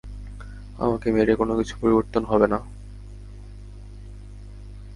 আমাকে মেরে কোনো কিছু পরিবর্তন হবে না।